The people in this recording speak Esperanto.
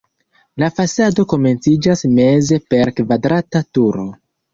La fasado komenciĝas meze per kvadrata turo.